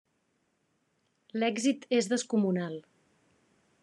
L'èxit és descomunal.